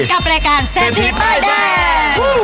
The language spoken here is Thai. กับรายการเซ็นทีป้ายแดน